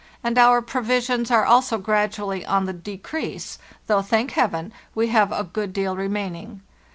And our provisions are also gradually on the decrease, though, thank Heaven, we have a good deal remaining.